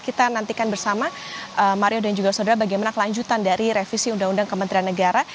kita nantikan bersama mario dan juga saudara bagaimana kelanjutan dari revisi undang undang kementerian negara